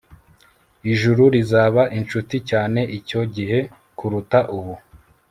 ijuru rizaba inshuti cyane icyo gihe kuruta ubu